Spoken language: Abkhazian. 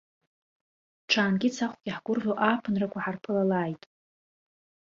Ҽаангьы цахәгьы ҳгәырӷьо ааԥынрақәа ҳарԥылалааит!